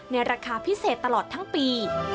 ราคาพิเศษตลอดทั้งปี